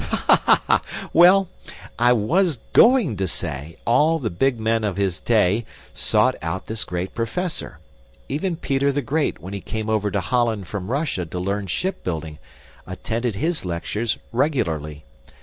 "Ha! ha! Well, I was GOING to say, all the big men of his day sought out this great professor. Even Peter the Great, when he came over to Holland from Russia to learn shipbuilding, attended his lectures regularly.